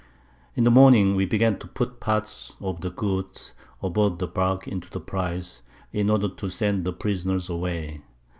In the Morning we began to put part of the Goods aboard the Bark into the Prize, in order to send the Prisoners away.